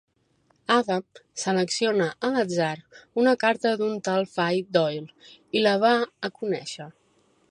Adam selecciona a l'atzar una carta d'un tal Fay Doyle i la va a conèixer.